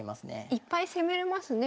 いっぱい攻めれますね。